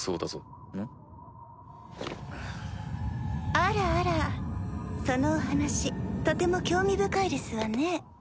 ・あらあら・そのお話とても興味深いですわね。